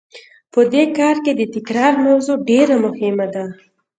په دې کار کې د تکرار موضوع ډېره مهمه ده.